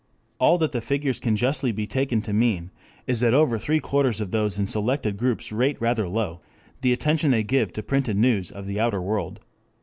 All that the figures can justly be taken to mean is that over three quarters of those in the selected groups rate rather low the attention they give to printed news of the outer world.